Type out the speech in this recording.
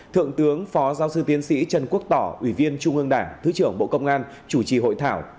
thượng tướng phó giáo sư tiến sĩ trần quốc tỏ ủy viên trung ương đảng thứ trưởng bộ công an chủ trì hội thảo